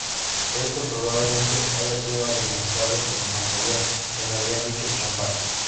Esto probablemente haya sido alentado por Napoleón, quien habría dicho: "¡Champán!